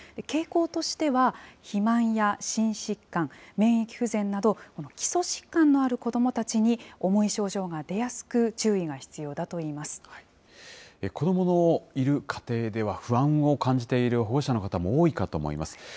傾向としては、肥満や心疾患、免疫不全など、基礎疾患のある子どもたちに、重い症状が出やすく、子どものいる家庭では、不安を感じている保護者の方も多いかと思います。